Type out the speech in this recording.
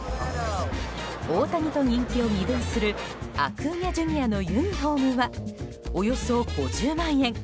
大谷と人気を二分するアクーニャＪｒ．のユニホームはおよそ５０万円。